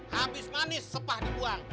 habis manis sepah dibuang